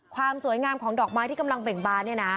ความสวยงามของดอกไม้ที่กำลังเบ่งบานเนี่ยนะ